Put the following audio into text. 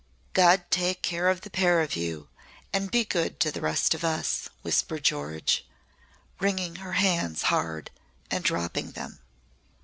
"God take care of the pair of you and be good to the rest of us," whispered George, wringing her hands hard and dropping them.